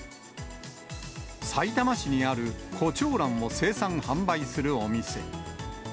さいたま市にあるコチョウランを生産・販売するお店。